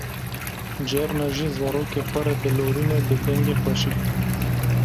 carna jî zarokê xwe re dilorîne bi dengê xweşik.